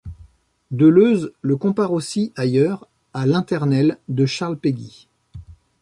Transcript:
Deleuze le compare aussi, ailleurs, à l’internel de Charles Péguy.